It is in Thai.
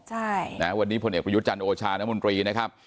ใช่นะฮะวันนี้ผลเอกประยุทธ์จันโอชาณมนตรีนะครับ